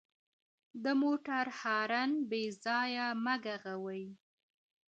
د موټر هارن بې ځایه مه ږغوئ.